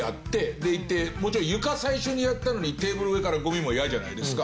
でいってもちろん床最初にやったのにテーブルの上からゴミも嫌じゃないですか。